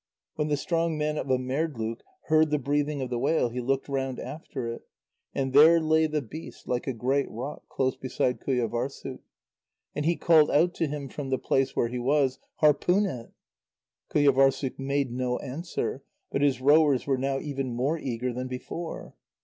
When the strong man of Amerdloq heard the breathing of the whale, he looked round after it, and there lay the beast like a great rock close beside Qujâvârssuk. And he called out to him from the place where he was: "Harpoon it!" Qujâvârssuk made no answer, but his rowers were now even more eager than before.